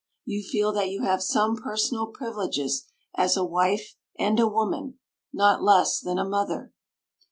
You feel that you have some personal privileges as a wife and a woman, not less than a mother.